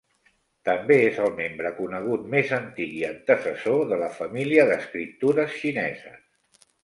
També és el membre conegut més antic i antecessor de la família d'escriptures xineses.